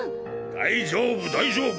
大丈夫大丈夫。